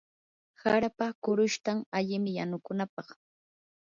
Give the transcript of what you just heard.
harapa qurushtan alimi yanukunapaq.